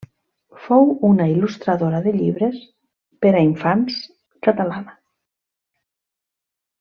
Fou una il·lustradora de llibres per a infants catalana.